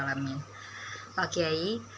amin pak kiai